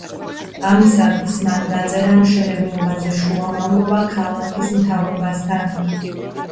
ამისათვის მან დაწერა მშენებლობაზე შუამავლობა ქალაქის მთავრობასთან.